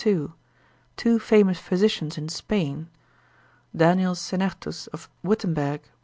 two famous physicians in Spain, Daniel Sennertus of Wittenberg lib.